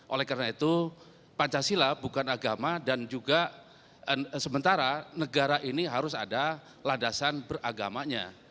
oleh karena itu pancasila bukan agama dan juga sementara negara ini harus ada ladasan beragamanya